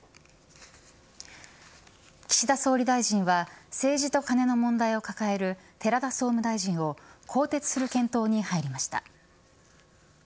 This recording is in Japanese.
岸田総理大臣は政治とカネの問題を抱える寺田総務大臣を更迭する検討に入りました。